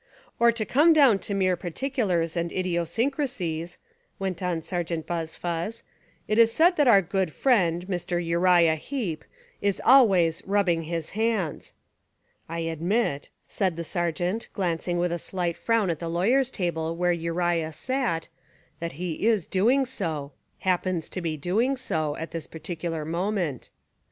"Or to come down to mere particulars and idiosyncracies," went on Sergeant Buzfuz, "it is said that our good friend, Mr. Uriah Heep, 213 Essays and Literary Studies is always 'rubbing his hands.'" ("I admit," said the Sergeant glancing with a slight frown at the lawyer's table where Uriah sat, "that he is doing so, — happens to be doing so, — at this particular moment.")